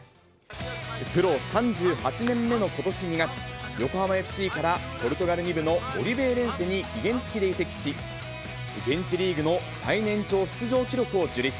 プロ３８年目のことし２月、横浜ＦＣからポルトガル２部のオリベイレンセに期限付きで移籍し、現地リーグの最年長出場記録を樹立。